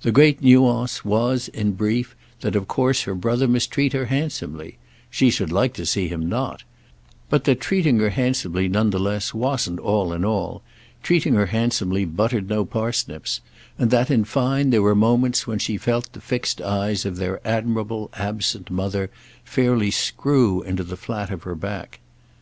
The great nuance was in brief that of course her brother must treat her handsomely—she should like to see him not; but that treating her handsomely, none the less, wasn't all in all—treating her handsomely buttered no parsnips; and that in fine there were moments when she felt the fixed eyes of their admirable absent mother fairly screw into the flat of her back.